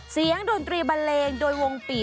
เสียงดนตรีบัลเลงโดยวงปี